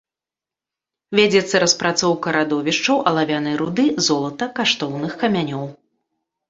Вядзецца распрацоўка радовішчаў алавянай руды, золата, каштоўных камянёў.